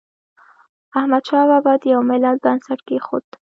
احمد شاه بابا د یو ملت بنسټ کېښود.